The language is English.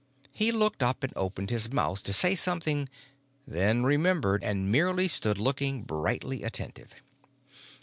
He looked up and opened his mouth to say something, then remembered and merely stood looking brightly attentive.